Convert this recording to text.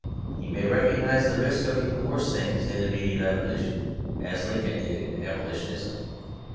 He may recognise the risk of even worse things in immediate abolition, as Lincoln did in abolitionism.